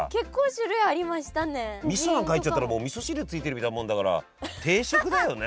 みそなんか入っちゃったらみそ汁付いてるみたいなもんだから定食だよね。